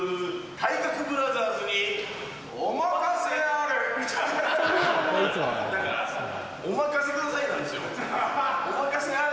体格ブラザーズにお任せあれ。